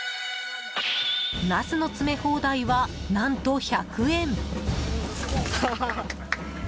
ナスの詰め放題は、何と１００円。